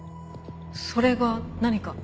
それが何か？